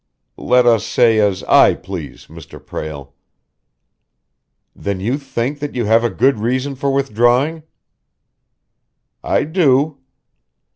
"Let us say as I please, Mr. Prale." "Then you think that you have a good reason for withdrawing?" "I do."